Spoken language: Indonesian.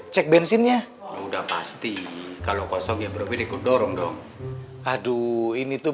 cek bensinnya udah pasti kalau kosong ya brobir ikut dorong dong aduh ini tuh